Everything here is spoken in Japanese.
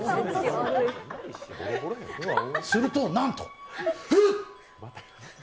するとなんと、うっ！